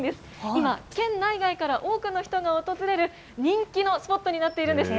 今、県内外から多くの人が訪れる人気のスポットになっているんです。